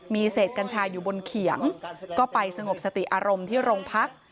มีเศษกัญชาอยู่บนเขียงก็ไปสงบสติอารมณ์ที่โรงพัก